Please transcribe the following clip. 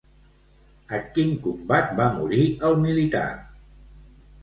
A quin combat va morir el militar?